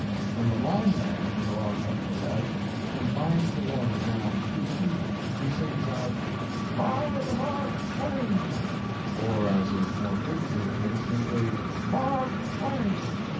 When the line man draws up the lead and finds the water down two feet, he sings out "by the mark twain," or as is more frequently the case, simply mark twain."